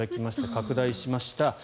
拡大しました。